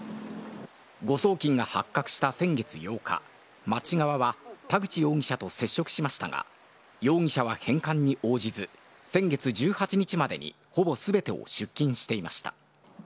誤送金が発覚した先月８日町側は田口容疑者と接触しましたが容疑者は返還に応じず先月１８日までにほぼ全てを出金していました。